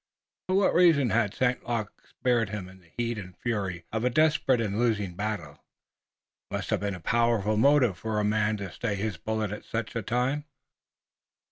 For what reason had St. Luc spared him in the heat and fury of a desperate and losing battle? It must have been a powerful motive for a man to stay his bullet at such a time!